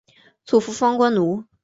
祖父方关奴。